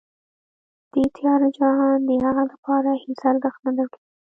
دې تیاره جهان د هغه لپاره هېڅ ارزښت نه درلود